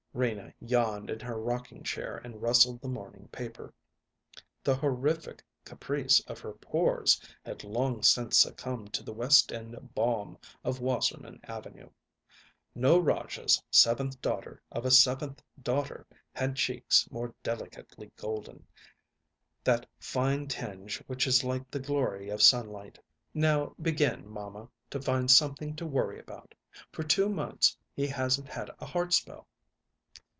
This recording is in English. Rena yawned in her rocking chair and rustled the morning paper. The horrific caprice of her pores had long since succumbed to the West End balm of Wasserman Avenue. No rajah's seventh daughter of a seventh daughter had cheeks more delicately golden that fine tinge which is like the glory of sunlight. "Now begin, mamma, to find something to worry about! For two months he hasn't had a heart spell."